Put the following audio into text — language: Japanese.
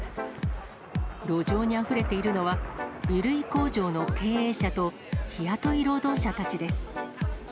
路上にあふれているのは、衣類工場の経営者と、日雇い労働者たちです。